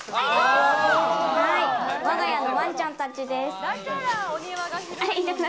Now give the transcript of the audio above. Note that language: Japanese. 我が家のワンちゃんたちです。